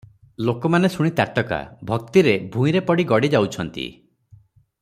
ଲୋକମାନେ ଶୁଣି ତାଟକା, ଭକ୍ତିରେ ଭୂଇଁରେ ପଡ଼ି ଗଡ଼ି ଯାଉଛନ୍ତି ।